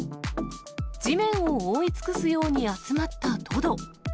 地面を覆い尽くすように集まったトド。